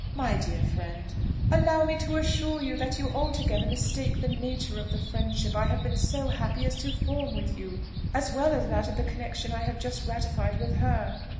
"My dear friend, allow me to assure you that you altogether mistake the nature of the friendship I have been so happy as to form with you, as well as that of the connexion I have just ratified with her.